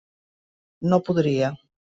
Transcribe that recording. No podria.